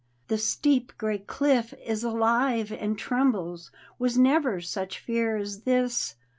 The steep gray cliff is alive and trembles — Was never such fear as this!